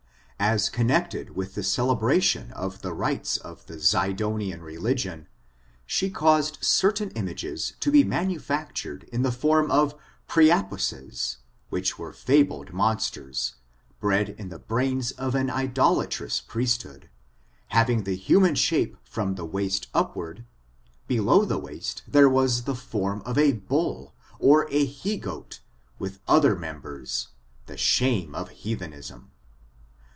As connected with the celebra tion of the rites of the Zidonian religion, she caused certain images to be manufactured in the form of Priapuses, which were fabled monsters, bred in the brains of an idolatrous priesthood, having the human shape from the waist upward ; below the waist there was the form of a bull^ or a he gocU — with othei members — the shame of heathenism.